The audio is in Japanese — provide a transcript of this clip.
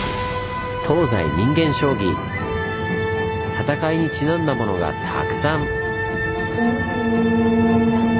戦いにちなんだものがたくさん！